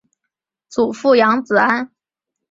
祖父杨子安。